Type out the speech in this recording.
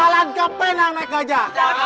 jalan ke penang naik gajah